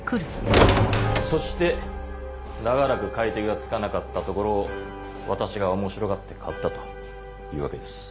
そして長らく買い手がつかなかったところを私が面白がって買ったというわけです。